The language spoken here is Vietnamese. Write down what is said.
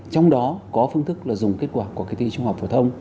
trong đó có phương thức là dùng kết quả của kỳ thi trung học phổ thông